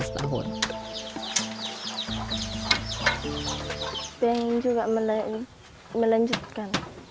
saya ingin juga melanjutkan